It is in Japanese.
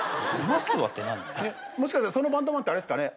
もしかしてそのバンドマンってあれですかね。